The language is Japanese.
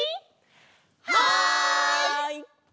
はい！